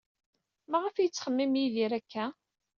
Maɣef ay yettxemmim Yidir akka?